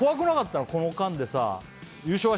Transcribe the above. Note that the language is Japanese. この間でさ